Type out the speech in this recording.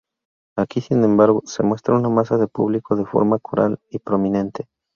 Aquí, sin embargo, se muestra una masa de público de forma coral y prominente.